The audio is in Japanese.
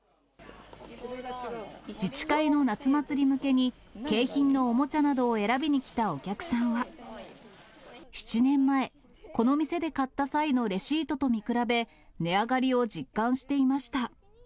自治会の夏祭り向けに、景品のおもちゃなどを選びに来たお客さんは、７年前、この店で買った際のレシートと見比べ、値上がりを実感していまし